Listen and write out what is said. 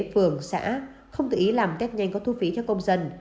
phường xã không tự ý làm test nhanh có thu phí cho công dân